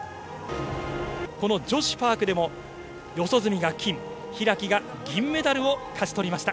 この女子パークでも、四十住が金、開が銀メダルを勝ち取りました。